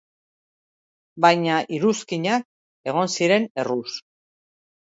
Baina iruzkinak egon ziren, erruz.